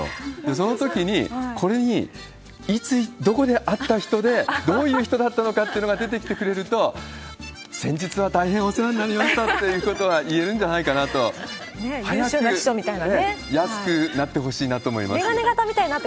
そのときに、これにいつ、どこで会った人で、どういう人だったのかというのが出てきてくれると、先日は大変お世話になりましたっていうことは言えるんじゃないかとしまえんの跡地に、来週、映画、いつものおいしさで内臓脂肪対策。